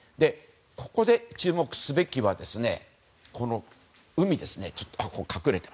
ここで注目すべきはこの海ですね。